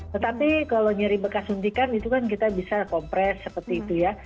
tetapi kalau nyari bekas suntikan itu kan kita bisa kompres seperti itu ya